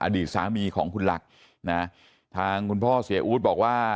อดีตสามีของคุณหลักนะทางคุณพ่อเสียอู๊ดบอกว่า